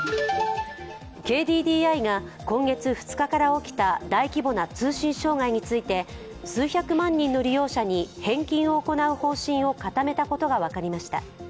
ＫＤＤＩが、今月２日から起きた大規模な通信障害について数百万人の利用者に返金を行う方針を固めたことが分かりました。